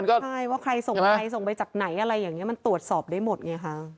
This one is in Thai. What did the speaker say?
ใช่ว่าใครส่งใครส่งไปจากไหนอะไรอย่างนี้มันตรวจสอบได้หมดไงคะ